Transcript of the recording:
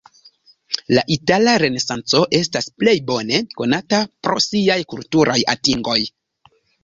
La Itala Renesanco estas plej bone konata pro siaj kulturaj atingoj.